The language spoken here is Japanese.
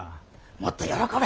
もっと喜べ。